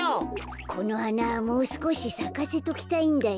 このはなもうすこしさかせときたいんだよ。